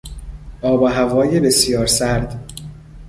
آب و هوای بسیار سرد